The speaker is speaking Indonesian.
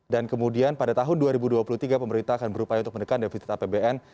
dan kemudian pada tahun dua ribu dua puluh tiga pemerintah akan berupaya untuk menekan defisit apbn